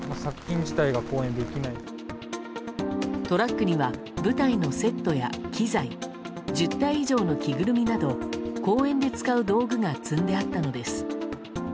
トラックには舞台のセットや機材１０体以上の着ぐるみなど公演で使う道具が積んであったのです。